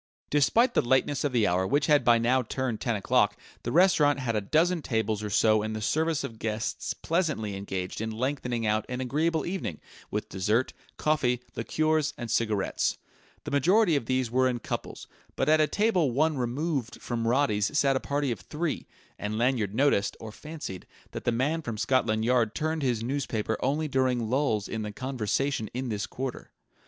Despite the lateness of the hour, which had by now turned ten o'clock, the restaurant had a dozen tables or so in the service of guests pleasantly engaged in lengthening out an agreeable evening with dessert, coffee, liqueurs and cigarettes. The majority of these were in couples, but at a table one removed from Roddy's sat a party of three; and Lanyard noticed, or fancied, that the man from Scotland Yard turned his newspaper only during lulls in the conversation in this quarter.